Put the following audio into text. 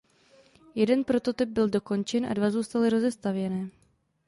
Jeden prototyp byl dokončen a dva zůstaly rozestavěné.